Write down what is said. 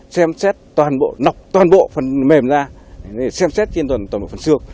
xem xét toàn bộ nọc toàn bộ phần mềm ra để xem xét trên toàn bộ phần xương